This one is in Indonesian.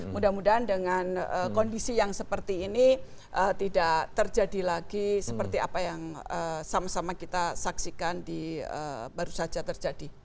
mudah mudahan dengan kondisi yang seperti ini tidak terjadi lagi seperti apa yang sama sama kita saksikan di baru saja terjadi